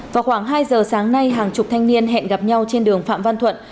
vào khoảng hai giờ sáng nay hàng chục thanh niên hẹn gặp nhau trên đường phạm văn thuận